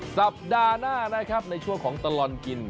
สัปดาห์หน้านะครับในช่วงของตลอดกิน